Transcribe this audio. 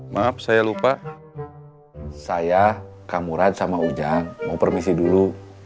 maaf saya lupa saya kamurat sama ujang mau permisi dulu